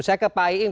saya ke pak iing